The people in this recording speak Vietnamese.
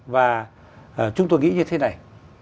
và chúng tôi nghĩ như thế này